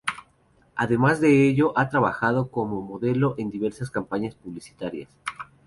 Además de ello ha trabajado como modelo en diversas campañas publicitarias.